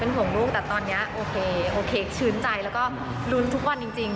เป็นห่วงลูกแต่ตอนนี้โอเคชื้นใจแล้วก็รุนทุกวันจริง